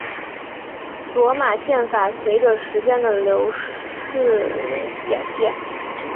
罗马宪法随着时间的流逝演变。